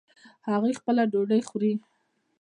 هغوی خپله ډوډۍ خوري